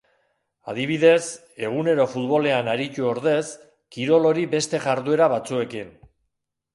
Adibidez, egunero futbolean aritu ordez, kirol hori beste jarduera batzuekin.